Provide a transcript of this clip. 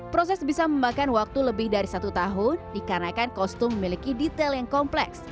proses bisa memakan waktu lebih dari satu tahun dikarenakan kostum memiliki detail yang kompleks